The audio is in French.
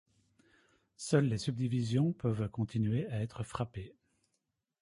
Seules les subdivisions peuvent continuer à être frappées.